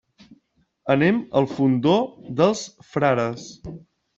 Anem al Fondó dels Frares.